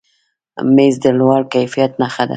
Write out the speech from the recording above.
مېز د لوړ کیفیت نښه ده.